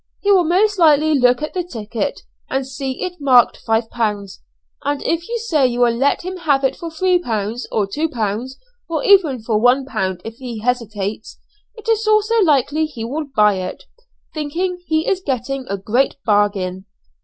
He will most likely look at the ticket, and see it marked five pounds, and if you say you will let him have it for three pounds, or two pounds, or even for one pound, if he hesitates, it is also likely he will buy it, thinking he is getting a great bargain."